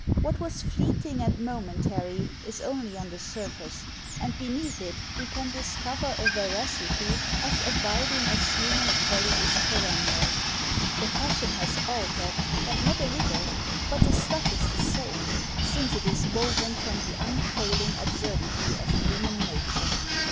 What was fleeting and momentary is only on the surface, and beneath it we can dis cover a veracity as abiding as human folly is perennial. The fashion has altered and not a little, but the stuff is the same, since it is woven from the unfailing absurdity of human nature.